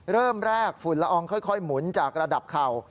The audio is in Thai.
เริ่มแรกฝุ่นละอองค่อยหมุนจากระดับเข่า